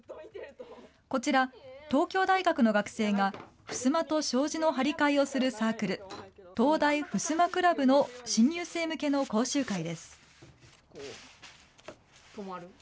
こちら、東京大学の学生が、ふすまと障子の張り替えをするサークル、東大襖クラブの新入生向けの講習会です。